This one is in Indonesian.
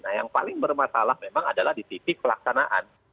nah yang paling bermasalah memang adalah di titik pelaksanaan